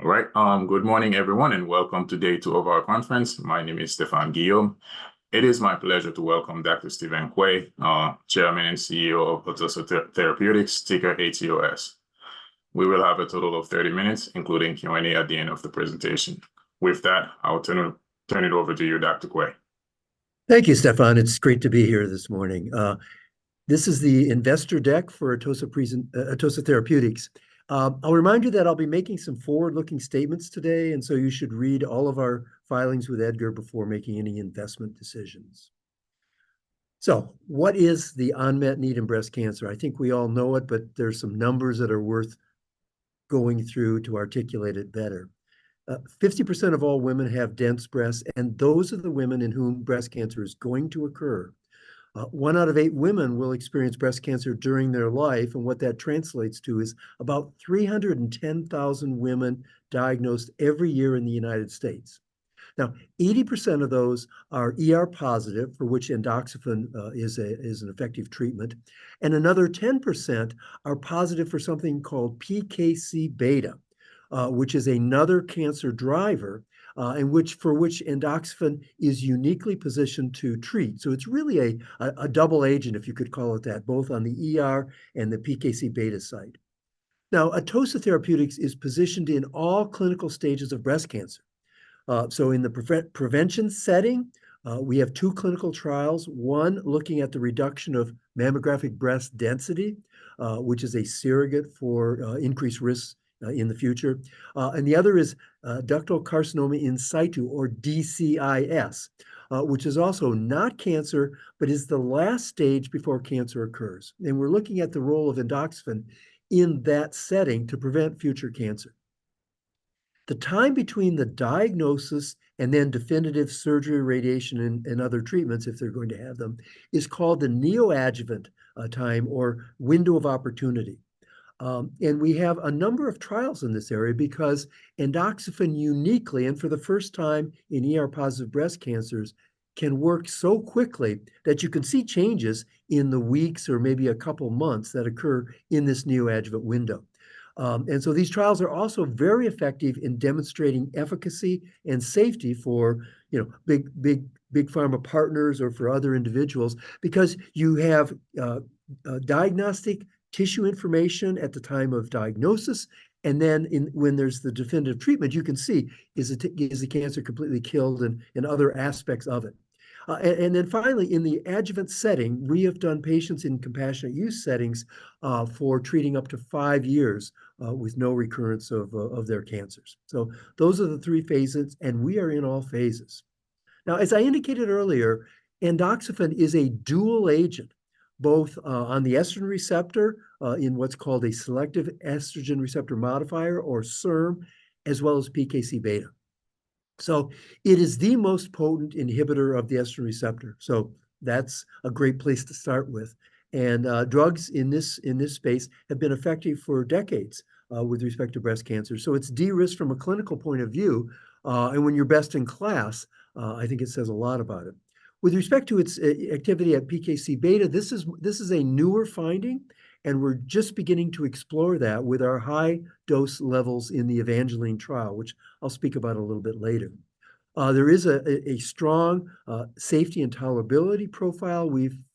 All right. Good morning, everyone, and welcome today to our conference. My name is Stefan Guillaume. It is my pleasure to welcome Dr. Steven Quay, Chairman and CEO of Atossa Therapeutics, ticker ATOS. We will have a total of 30 minutes, including Q&A at the end of the presentation. With that, I'll turn it over to you, Dr. Quay. Thank you, Stefan. It's great to be here this morning. This is the investor deck for Atossa Therapeutics. I'll remind you that I'll be making some forward-looking statements today, and so you should read all of our filings with EDGAR before making any investment decisions. So what is the unmet need in breast cancer? I think we all know it, but there are some numbers that are worth going through to articulate it better. 50% of all women have dense breasts, and those are the women in whom breast cancer is going to occur. One out of eight women will experience breast cancer during their life, and what that translates to is about 310,000 women diagnosed every year in the United States. Now, 80% of those are positive, for which endoxifen is an effective treatment, and another 10% are positive for something called PKC beta, which is another cancer driver for which endoxifen is uniquely positioned to treat. So it's really a double agent, if you could call it that, both on the and the PKC beta side. Now, Atossa Therapeutics is positioned in all clinical stages of breast cancer. So in the prevention setting, we have two clinical trials, one looking at the reduction of mammographic breast density, which is a surrogate for increased risks in the future, and the other is ductal carcinoma in situ, or DCIS, which is also not cancer, but is the last stage before cancer occurs. And we're looking at the role of endoxifen in that setting to prevent future cancer. The time between the diagnosis and then definitive surgery, radiation, and other treatments, if they're going to have them, is called the neoadjuvant time or window of opportunity. We have a number of trials in this area because (Z)-endoxifen uniquely, and for the first time in positive breast cancers, can work so quickly that you can see changes in the weeks or maybe a couple of months that occur in this neoadjuvant window. So these trials are also very effective in demonstrating efficacy and safety for big pharma partners or for other individuals because you have diagnostic tissue information at the time of diagnosis, and then when there's the definitive treatment, you can see, is the cancer completely killed and other aspects of it. Then finally, in the adjuvant setting, we have done patients in compassionate use settings for treating up to five years with no recurrence of their cancers. So those are the three phases, and we are in all phases. Now, as I indicated earlier, endoxifen is a dual agent, both on the estrogen receptor in what's called a selective estrogen receptor modulator, or SERM, as well as PKC beta. So it is the most potent inhibitor of the estrogen receptor. So that's a great place to start with. And drugs in this space have been effective for decades with respect to breast cancer. So it's de-risked from a clinical point of view, and when you're best in class, I think it says a lot about it. With respect to its activity at PKC beta, this is a newer finding, and we're just beginning to explore that with our high dose levels in the EVANGELINE trial, which I'll speak about a little bit later. There is a strong safety and tolerability profile.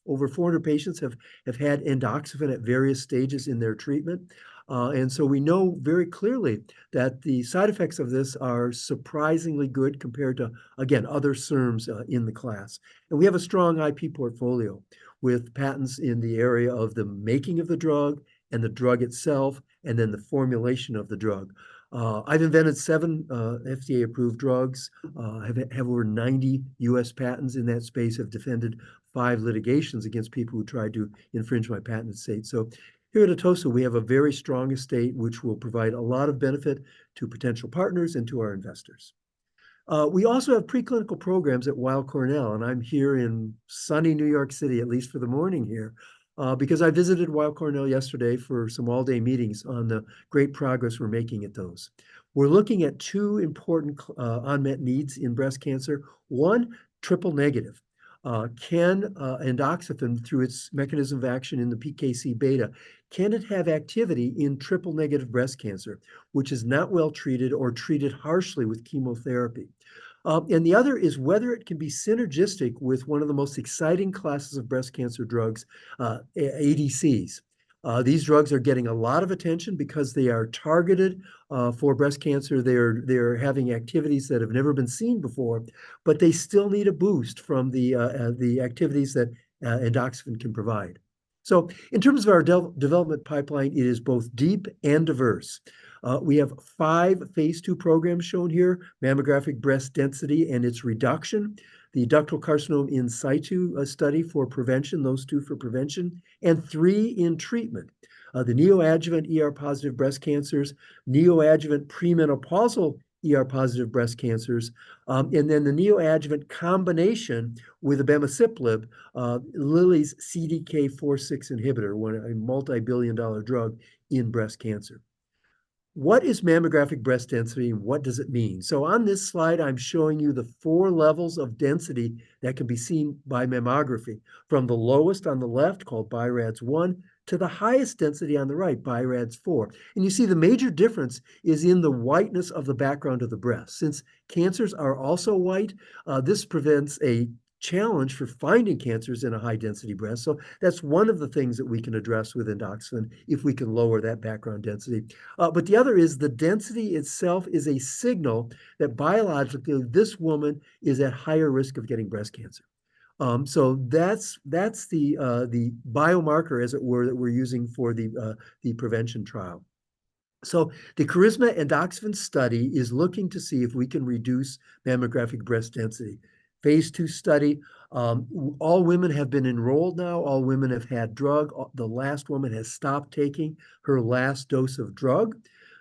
Over 400 patients have had (Z)-endoxifen at various stages in their treatment. And so we know very clearly that the side effects of this are surprisingly good compared to, again, other SERMs in the class. And we have a strong IP portfolio with patents in the area of the making of the drug and the drug itself and then the formulation of the drug. I've invented seven FDA-approved drugs, have over 90 U.S. patents in that space, have defended five litigations against people who tried to infringe my patent estate. So here at Atossa, we have a very strong estate, which will provide a lot of benefit to potential partners and to our investors. We also have preclinical programs at Weill Cornell, and I'm here in sunny New York City, at least for the morning here, because I visited Weill Cornell yesterday for some all-day meetings on the great progress we're making at those. We're looking at two important unmet needs in breast cancer. One, triple-negative. Can endoxifen, through its mechanism of action in the PKC beta, have activity in triple-negative breast cancer, which is not well treated or treated harshly with chemotherapy? And the other is whether it can be synergistic with one of the most exciting classes of breast cancer drugs, ADCs. These drugs are getting a lot of attention because they are targeted for breast cancer. They're having activities that have never been seen before, but they still need a boost from the activities that (Z)-endoxifen can provide. So in terms of our development pipeline, it is both deep and diverse. We have five phase II programs shown here: mammographic breast density and its reduction, the ductal carcinoma in situ study for prevention, those two for prevention, and three in treatment: the neoadjuvant positive breast cancers, neoadjuvant premenopausal positive breast cancers, and then the neoadjuvant combination with abemaciclib, Lilly's CDK4/6 inhibitor, a multi-billion dollar drug in breast cancer. What is mammographic breast density and what does it mean? So on this slide, I'm showing you the four levels of density that can be seen by mammography, from the lowest on the left called BI-RADS 1 to the highest density on the right, BI-RADS 4. You see the major difference is in the whiteness of the background of the breast. Since cancers are also white, this presents a challenge for finding cancers in a high-density breast. So that's one of the things that we can address with endoxifen if we can lower that background density. But the other is the density itself is a signal that biologically this woman is at higher risk of getting breast cancer. So that's the biomarker, as it were, that we're using for the prevention trial. So the KARISMA endoxifen study is looking to see if we can reduce mammographic breast density, phase II study. All women have been enrolled now. All women have had drug. The last woman has stopped taking her last dose of drug.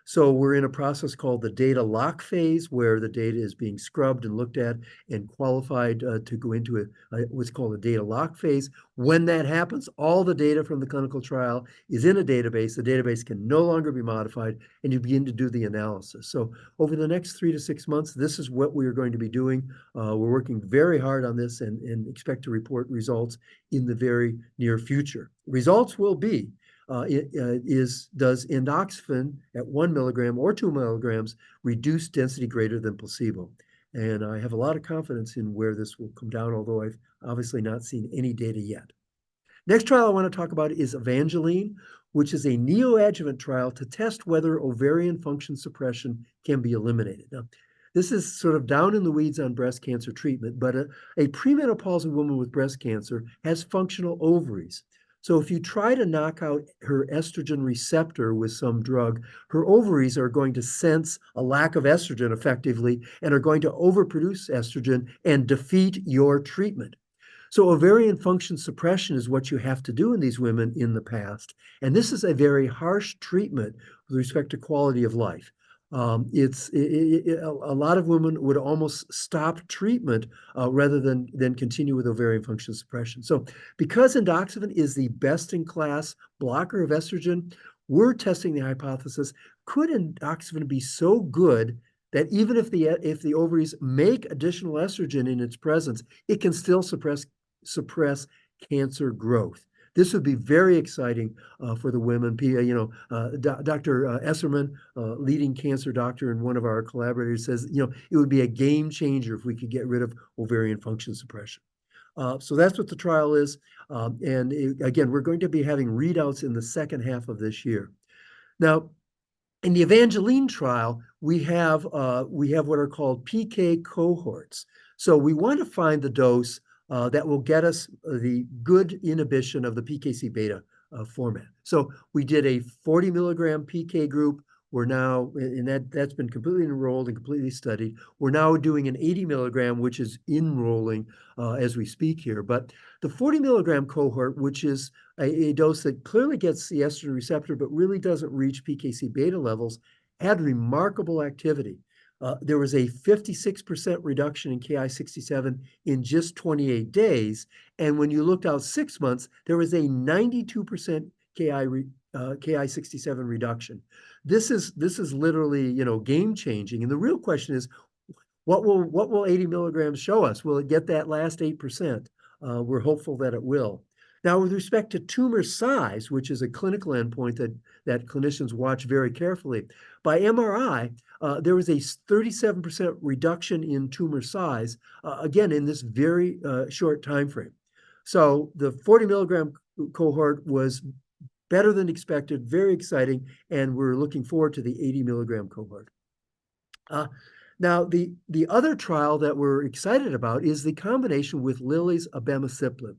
So we're in a process called the data lock phase, where the data is being scrubbed and looked at and qualified to go into what's called a data lock phase. When that happens, all the data from the clinical trial is in a database. The database can no longer be modified, and you begin to do the analysis. So over the next three months-six months, this is what we are going to be doing. We're working very hard on this and expect to report results in the very near future. Results will be, does endoxifen at 1 mg or 2 mg reduce density greater than placebo? And I have a lot of confidence in where this will come down, although I've obviously not seen any data yet. Next trial I want to talk about is EVANGELINE, which is a neoadjuvant trial to test whether ovarian function suppression can be eliminated. Now, this is sort of down in the weeds on breast cancer treatment, but a premenopausal woman with breast cancer has functional ovaries. So if you try to knock out her estrogen receptor with some drug, her ovaries are going to sense a lack of estrogen effectively and are going to overproduce estrogen and defeat your treatment. So ovarian function suppression is what you have to do in these women in the past. This is a very harsh treatment with respect to quality of life. A lot of women would almost stop treatment rather than continue with ovarian function suppression. So because (Z)-endoxifen is the best-in-class blocker of estrogen, we're testing the hypothesis, could (Z)-endoxifen be so good that even if the ovaries make additional estrogen in its presence, it can still suppress cancer growth? This would be very exciting for the women. Dr. Esserman, leading cancer doctor and one of our collaborators, says, you know, it would be a game changer if we could get rid of ovarian function suppression. So that's what the trial is. And again, we're going to be having readouts in the second half of this year. Now, in the EVANGELINE trial, we have what are called PK cohorts. So we want to find the dose that will get us the good inhibition of the PKC beta pathway. So we did a 40 mg PK group. We're now, and that's been completely enrolled and completely studied. We're now doing an 80 mg, which is enrolling as we speak here. But the 40 mg cohort, which is a dose that clearly gets the estrogen receptor but really doesn't reach PKC beta levels, had remarkable activity. There was a 56% reduction in Ki-67 in just 28 days. And when you looked out six months, there was a 92% Ki-67 reduction. This is literally game changing. And the real question is, what will 80 mg show us? Will it get that last 8%? We're hopeful that it will. Now, with respect to tumor size, which is a clinical endpoint that clinicians watch very carefully, by MRI, there was a 37% reduction in tumor size, again, in this very short time frame. So the 40 mg cohort was better than expected, very exciting, and we're looking forward to the 80 mg cohort. Now, the other trial that we're excited about is the combination with Lilly's abemaciclib.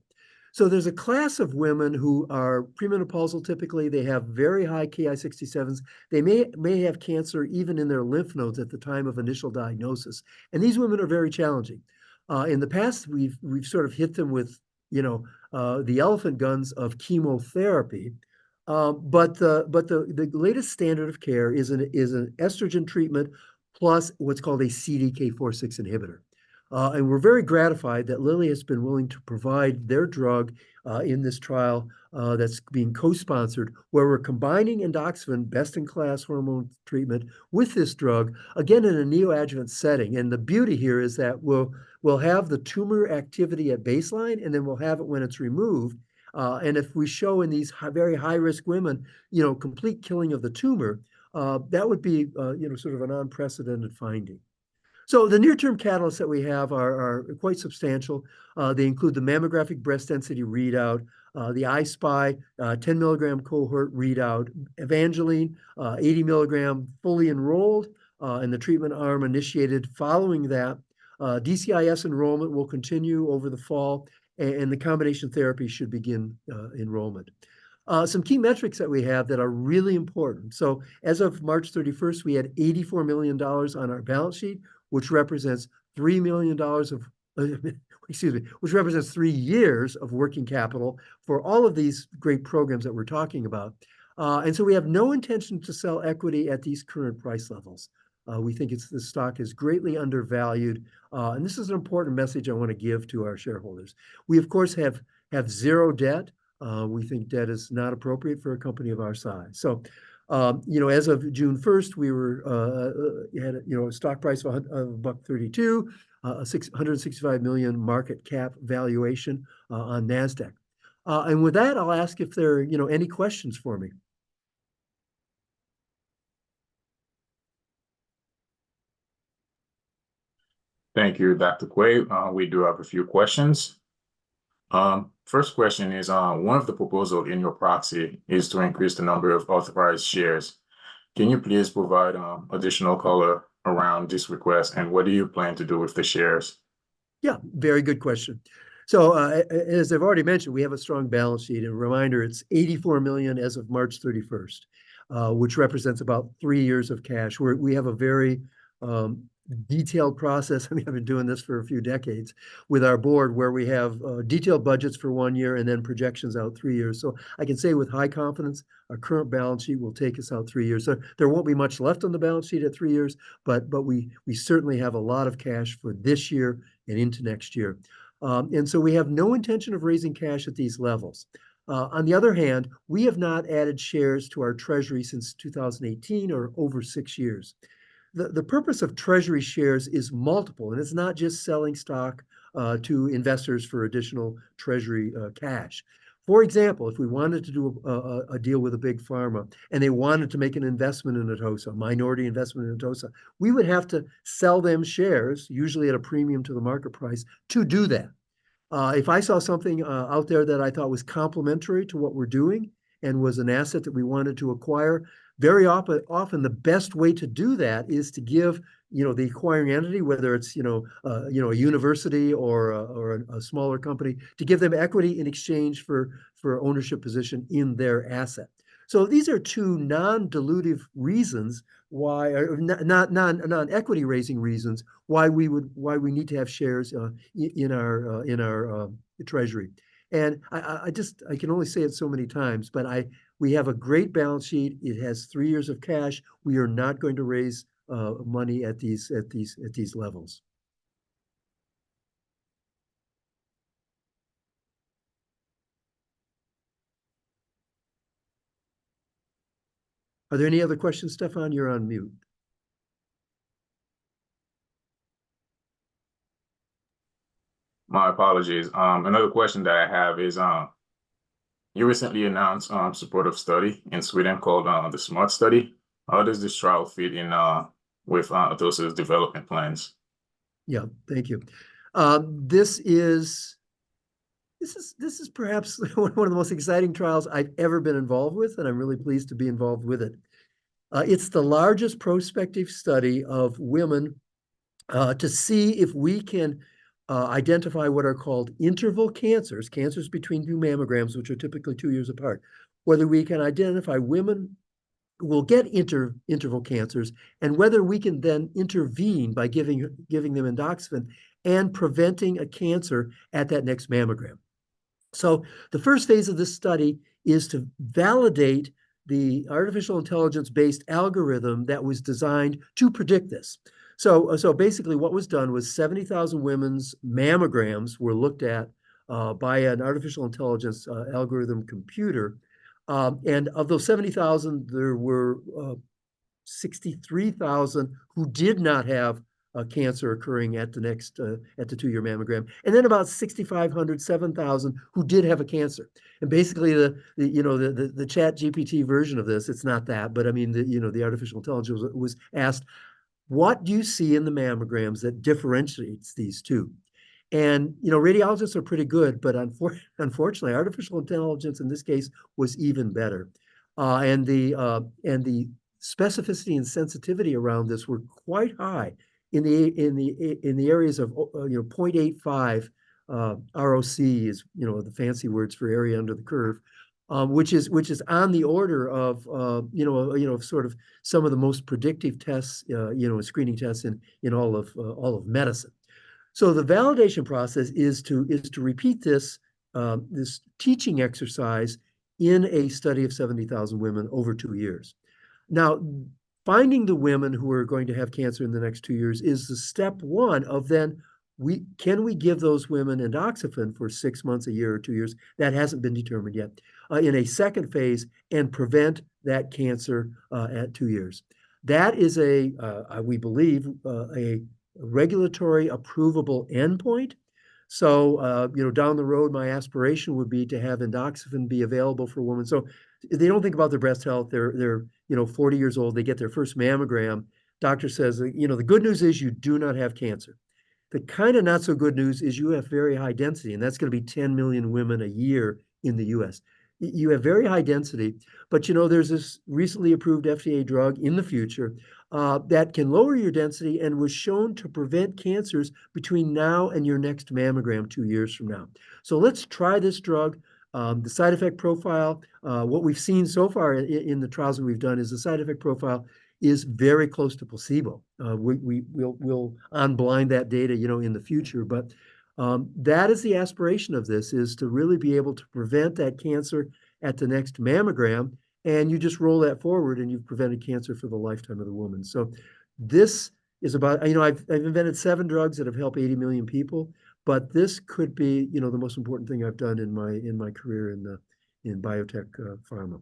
So there's a class of women who are premenopausal, typically. They have very high Ki-67s. They may have cancer even in their lymph nodes at the time of initial diagnosis. And these women are very challenging. In the past, we've sort of hit them with the elephant guns of chemotherapy. But the latest standard of care is an estrogen treatment plus what's called a CDK4/6 inhibitor. And we're very gratified that Lilly has been willing to provide their drug in this trial that's being co-sponsored, where we're combining endoxifen, best-in-class hormone treatment, with this drug, again, in a neoadjuvant setting. And the beauty here is that we'll have the tumor activity at baseline, and then we'll have it when it's removed. And if we show in these very high-risk women, you know, complete killing of the tumor, that would be sort of an unprecedented finding. So the near-term catalysts that we have are quite substantial. They include the mammographic breast density readout, the I-SPY 10 mg cohort readout, EVANGELINE 80 mg fully enrolled in the treatment arm initiated following that. DCIS enrollment will continue over the fall, and the combination therapy should begin enrollment. Some key metrics that we have that are really important. So as of March 31st, we had $84 million on our balance sheet, which represents $3 million of, excuse me, which represents three years of working capital for all of these great programs that we're talking about. And so we have no intention to sell equity at these current price levels. We think the stock is greatly undervalued. This is an important message I want to give to our shareholders. We, of course, have zero debt. We think debt is not appropriate for a company of our size. As of June 1st, we had a stock price of $1.32, a $165 million market cap valuation on Nasdaq. With that, I'll ask if there are any questions for me. Thank you, Dr. Quay. We do have a few questions. First question is, one of the proposals in your proxy is to increase the number of authorized shares. Can you please provide additional color around this request and what do you plan to do with the shares? Yeah, very good question. As I've already mentioned, we have a strong balance sheet. Reminder, it's $84 million as of March 31st, which represents about three years of cash. We have a very detailed process, and we have been doing this for a few decades with our board, where we have detailed budgets for one year and then projections out three years. I can say with high confidence, our current balance sheet will take us out three years. There won't be much left on the balance sheet at three years, but we certainly have a lot of cash for this year and into next year. We have no intention of raising cash at these levels. On the other hand, we have not added shares to our treasury since 2018 or over six years. The purpose of treasury shares is multiple, and it's not just selling stock to investors for additional treasury cash. For example, if we wanted to do a deal with a big pharma and they wanted to make an investment in Atossa, a minority investment in Atossa, we would have to sell them shares, usually at a premium to the market price, to do that. If I saw something out there that I thought was complementary to what we're doing and was an asset that we wanted to acquire, very often the best way to do that is to give the acquiring entity, whether it's a university or a smaller company, to give them equity in exchange for ownership position in their asset. So these are two non-dilutive reasons why, or non-equity raising reasons why we need to have shares in our treasury. And I can only say it so many times, but we have a great balance sheet. It has three years of cash. We are not going to raise money at these levels. Are there any other questions, Stefan? You're on mute. My apologies. Another question that I have is, you recently announced a supportive study in Sweden called the SMART study. How does this trial fit in with Atossa's development plans? Yeah, thank you. This is perhaps one of the most exciting trials I've ever been involved with, and I'm really pleased to be involved with it. It's the largest prospective study of women to see if we can identify what are called interval cancers, cancers between two mammograms, which are typically two years apart, whether we can identify women who will get interval cancers and whether we can then intervene by giving them endoxifen and preventing a cancer at that next mammogram. So the first phase of this study is to validate the artificial intelligence-based algorithm that was designed to predict this. So basically, what was done was 70,000 women's mammograms were looked at by an artificial intelligence algorithm computer. And of those 70,000, there were 63,000 who did not have a cancer occurring at the next two-year mammogram. And then about 6,500-7,000 who did have a cancer. And basically, the ChatGPT version of this, it's not that, but I mean, the artificial intelligence was asked, what do you see in the mammograms that differentiates these two? And radiologists are pretty good, but unfortunately, artificial intelligence in this case was even better. The specificity and sensitivity around this were quite high in the areas of 0.85 ROC, the fancy words for area under the curve, which is on the order of sort of some of the most predictive tests, screening tests in all of medicine. So the validation process is to repeat this teaching exercise in a study of 70,000 women over two years. Now, finding the women who are going to have cancer in the next two years is the step one of then, can we give those women endoxifen for six months, a year, or two years? That hasn't been determined yet in a second phase and prevent that cancer at two years. That is, we believe, a regulatory approvable endpoint. So down the road, my aspiration would be to have endoxifen be available for women. So they don't think about their breast health. They're 40 years old. They get their first mammogram. Doctor says, the good news is you do not have cancer. The kind of not-so-good news is you have very high density, and that's going to be 10 million women a year in the U.S. You have very high density, but there's this recently approved FDA drug in the future that can lower your density and was shown to prevent cancers between now and your next mammogram two years from now. So let's try this drug. The side effect profile, what we've seen so far in the trials that we've done is the side effect profile is very close to placebo. We'll unblind that data in the future, but that is the aspiration of this, is to really be able to prevent that cancer at the next mammogram. And you just roll that forward and you've prevented cancer for the lifetime of the woman. So this is about, I've invented seven drugs that have helped 80 million people, but this could be the most important thing I've done in my career in biotech pharma.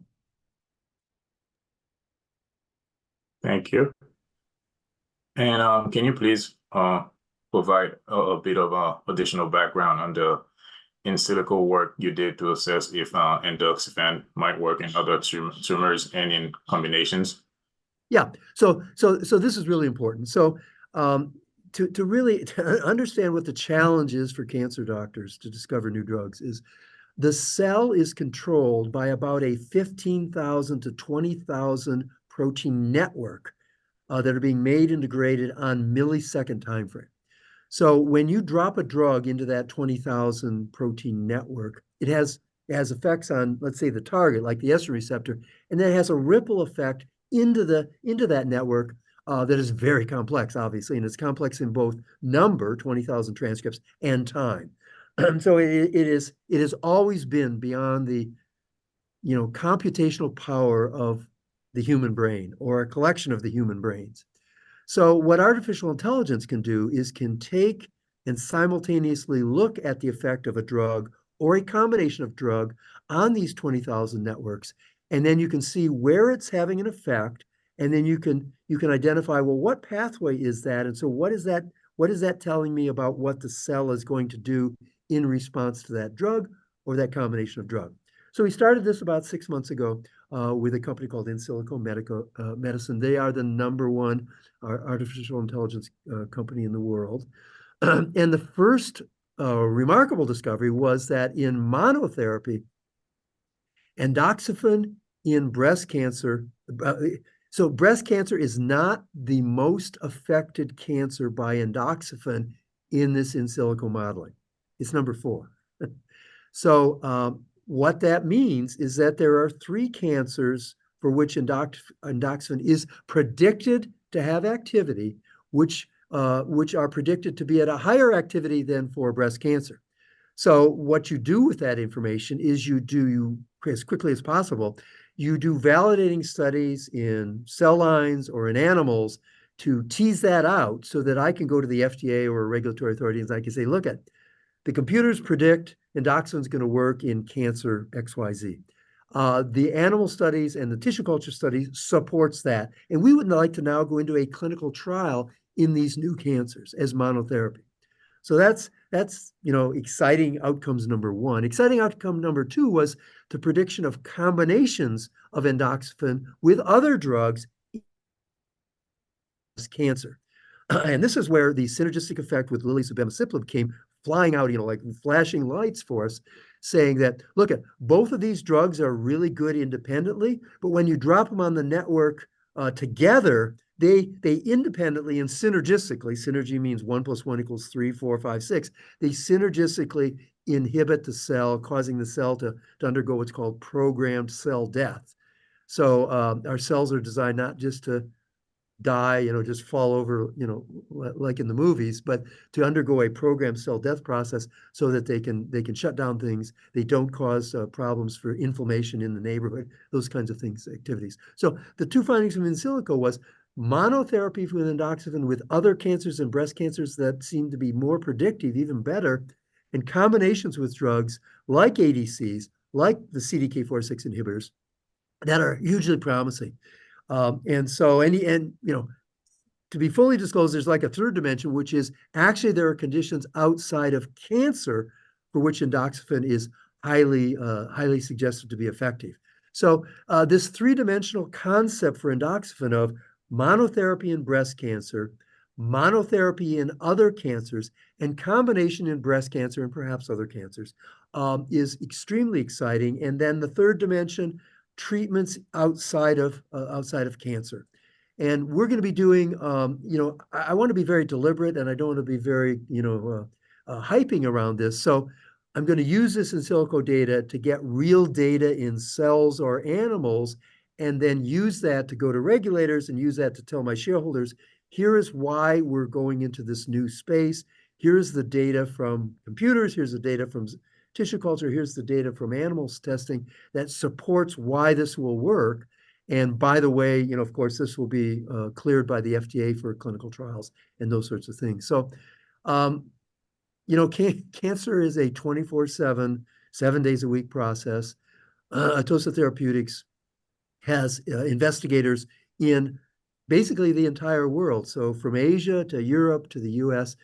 Thank you. And can you please provide a bit of additional background on the Insilico work you did to assess if endoxifen might work in other tumors and in combinations? Yeah. So this is really important. So to really understand what the challenge is for cancer doctors to discover new drugs is the cell is controlled by about a 15,000-20,000 protein network that are being made and degraded on millisecond timeframe. So when you drop a drug into that 20,000 protein network, it has effects on, let's say, the target, like the estrogen receptor, and then it has a ripple effect into that network that is very complex, obviously. It's complex in both number, 20,000 transcripts, and time. So it has always been beyond the computational power of the human brain or a collection of the human brains. So what artificial intelligence can do is can take and simultaneously look at the effect of a drug or a combination of drug on these 20,000 networks, and then you can see where it's having an effect, and then you can identify, well, what pathway is that? And so what is that telling me about what the cell is going to do in response to that drug or that combination of drug? So we started this about six months ago with a company called Insilico Medicine. They are the number one artificial intelligence company in the world. The first remarkable discovery was that in monotherapy, endoxifen in breast cancer, so breast cancer is not the most affected cancer by endoxifen in this Insilico modeling. It's number 4. So what that means is that there are three cancers for which endoxifen is predicted to have activity, which are predicted to be at a higher activity than for breast cancer. So what you do with that information is you do, as quickly as possible, you do validating studies in cell lines or in animals to tease that out so that I can go to the FDA or a regulatory authority and I can say, "Look, the computers predict endoxifen is going to work in cancer XYZ." The animal studies and the tissue culture studies support that. And we would like to now go into a clinical trial in these new cancers as monotherapy. So that's exciting outcomes number one. Exciting outcome number two was the prediction of combinations of endoxifen with other drugs in cancer. And this is where the synergistic effect with Lilly's abemaciclib came flying out, like flashing lights for us, saying that, "Look, both of these drugs are really good independently, but when you drop them on the network together, they independently and synergistically," synergy means 1 + 1 equals three, four, five, six. "They synergistically inhibit the cell, causing the cell to undergo what's called programmed cell death." So our cells are designed not just to die, just fall over like in the movies, but to undergo a programmed cell death process so that they can shut down things. They don't cause problems for inflammation in the neighborhood, those kinds of activities. So the two findings from Insilico was monotherapy with endoxifen with other cancers and breast cancers that seem to be more predictive, even better, in combinations with drugs like ADCs, like the CDK4/6 inhibitors that are hugely promising. And so to be fully disclosed, there's like a third dimension, which is actually there are conditions outside of cancer for which endoxifen is highly suggestive to be effective. So this three-dimensional concept for endoxifen of monotherapy in breast cancer, monotherapy in other cancers, and combination in breast cancer and perhaps other cancers is extremely exciting. And then the third dimension, treatments outside of cancer. And we're going to be doing, I want to be very deliberate, and I don't want to be very hyping around this. So I'm going to use this Insilico data to get real data in cells or animals and then use that to go to regulators and use that to tell my shareholders, "Here is why we're going into this new space. Here is the data from computers. Here's the data from tissue culture. Here's the data from animals testing that supports why this will work." And by the way, of course, this will be cleared by the FDA for clinical trials and those sorts of things. So cancer is a 24/7, seven-days-a-week process. Atossa Therapeutics has investigators in basically the entire world. So from Asia to Europe to the U.S.,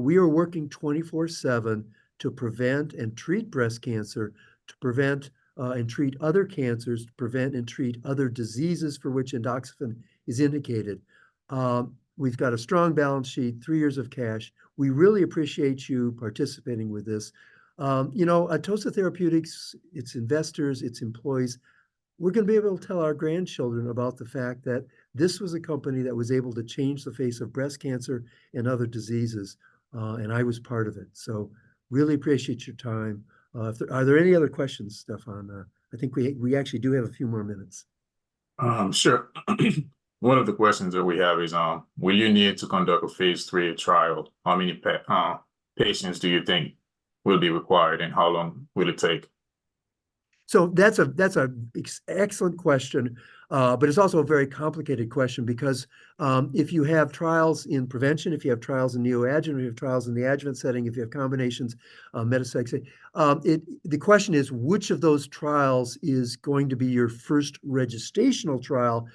we are working 24/7 to prevent and treat breast cancer, to prevent and treat other cancers, to prevent and treat other diseases for which endoxifen is indicated. We've got a strong balance sheet, three years of cash. We really appreciate you participating with this. Atossa Therapeutics, its investors, its employees, we're going to be able to tell our grandchildren about the fact that this was a company that was able to change the face of breast cancer and other diseases, and I was part of it. So really appreciate your time. Are there any other questions, Stefan? I think we actually do have a few more minutes. Sure. One of the questions that we have is, will you need to conduct a phase III trial? How many patients do you think will be required, and how long will it take? So that's an excellent question, but it's also a very complicated question because if you have trials in prevention, if you have trials in neoadjuvant, if you have trials in the adjuvant setting, if you have combinations, metastatic, the question is, which of those trials is going to be your first registrational trial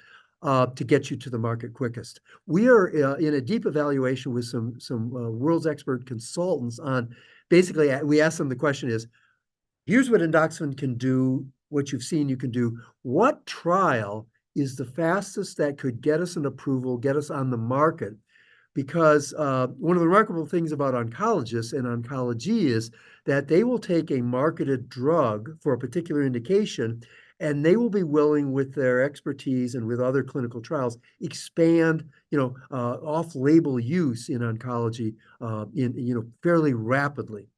to get you to the market quickest? We are in a deep evaluation with some world's expert consultants on basically, we asked them, the question is, "Here's what endoxifen can do, what you've seen you can do. What trial is the fastest that could get us an approval, get us on the market?" Because one of the remarkable things about oncologists and oncology is that they will take a marketed drug for a particular indication, and they will be willing, with their expertise and with other clinical trials, expand off-label use in oncology fairly rapidly.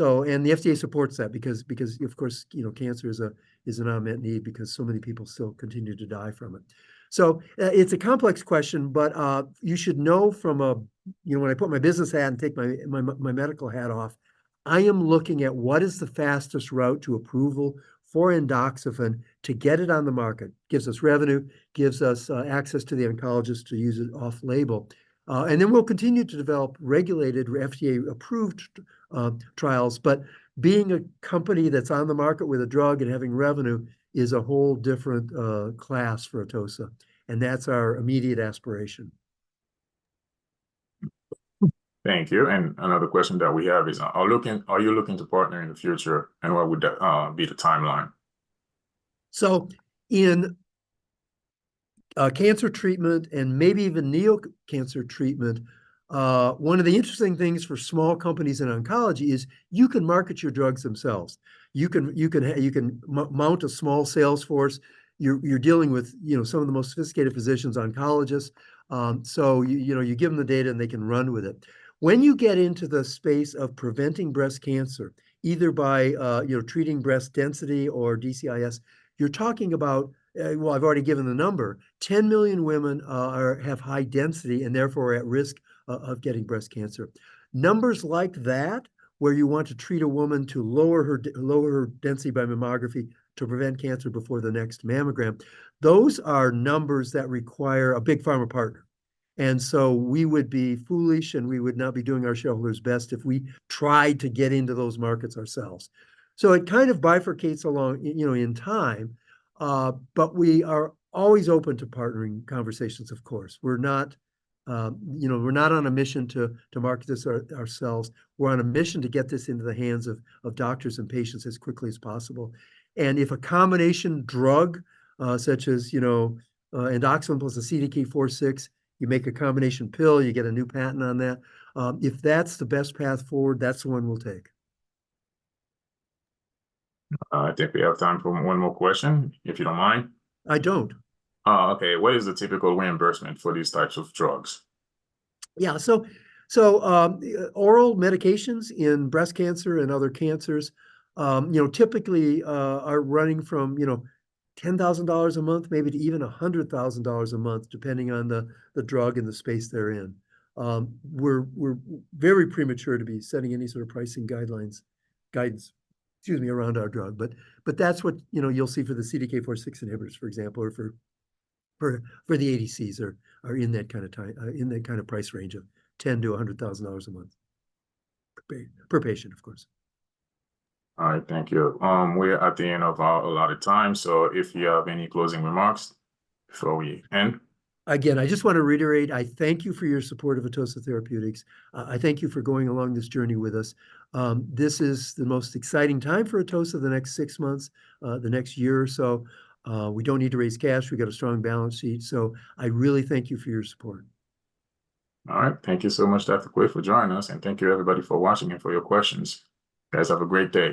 And the FDA supports that because, of course, cancer is an unmet need because so many people still continue to die from it. So it's a complex question, but you should know from when I put my business hat and take my medical hat off, I am looking at what is the fastest route to approval for endoxifen to get it on the market, gives us revenue, gives us access to the oncologist to use it off-label. And then we'll continue to develop regulated FDA-approved trials, but being a company that's on the market with a drug and having revenue is a whole different class for Atossa, and that's our immediate aspiration. Thank you. And another question that we have is, are you looking to partner in the future, and what would be the timeline? So in cancer treatment and maybe even neoadjuvant treatment, one of the interesting things for small companies in oncology is you can market your drugs themselves. You can mount a small salesforce. You're dealing with some of the most sophisticated physicians, oncologists. So you give them the data, and they can run with it. When you get into the space of preventing breast cancer, either by treating breast density or DCIS, you're talking about, well, I've already given the number, 10 million women have high density and therefore are at risk of getting breast cancer. Numbers like that, where you want to treat a woman to lower her density by mammography to prevent cancer before the next mammogram, those are numbers that require a big pharma partner. And so we would be foolish, and we would not be doing our shareholders' best if we tried to get into those markets ourselves. So it kind of bifurcates along in time, but we are always open to partnering conversations, of course. We're not on a mission to market this ourselves. We're on a mission to get this into the hands of doctors and patients as quickly as possible. And if a combination drug, such as endoxifen plus a CDK4/6, you make a combination pill, you get a new patent on that, if that's the best path forward, that's the one we'll take. I think we have time for one more question, if you don't mind. I don't. Okay. What is the typical reimbursement for these types of drugs? Yeah. So oral medications in breast cancer and other cancers typically are running from $10,000 a month, maybe to even $100,000 a month, depending on the drug and the space they're in. We're very premature to be setting any sort of pricing guidance, excuse me, around our drug. But that's what you'll see for the CDK4/6 inhibitors, for example, or for the ADCs are in that kind of price range of $10,000-$100,000 a month per patient, of course. All right. Thank you. We are at the end of a lot of time. So if you have any closing remarks before we end? Again, I just want to reiterate, I thank you for your support of Atossa Therapeutics. I thank you for going along this journey with us. This is the most exciting time for Atossa the next six months, the next year or so. We don't need to raise cash. We've got a strong balance sheet. So I really thank you for your support. All right. Thank you so much, Dr. Quay, for joining us. And thank you, everybody, for watching and for your questions. Guys, have a great day.